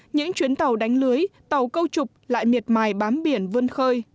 những chuyến tàu đánh lưới tàu câu trục lại miệt mài bám biển vươn khơi